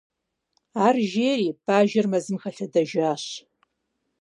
- Ар жери, бажэр мэзым хэлъэдэжащ.